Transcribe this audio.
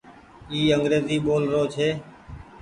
اي انگريزي ٻول رو ڇي۔